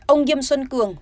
ông nghiêm xuân cường